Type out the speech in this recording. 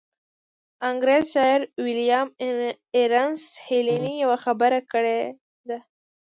انګرېز شاعر ويليام ايرنيسټ هينلي يوه خبره کړې ده.